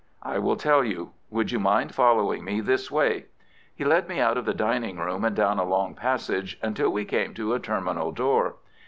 "I will tell you. Would you mind following me this way?" He led me out of the dining room and down a long passage until we came to a terminal door.